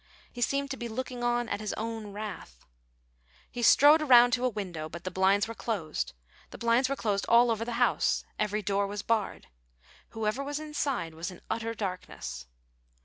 He seemed to be looking on at his own wrath. He strode around to a window, but the blinds were closed; the blinds were closed all over the house; every door was barred. Whoever was inside was in utter darkness.